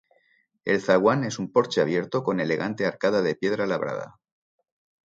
El zaguán es un porche abierto con elegante arcada de piedra labrada.